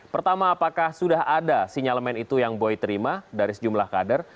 pertama apakah sudah ada sinyalemen itu yang boy terima dari sejumlah kader